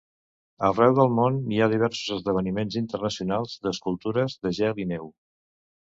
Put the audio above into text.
Arreu del món hi ha diversos esdeveniments internacionals d'escultures de gel i neu.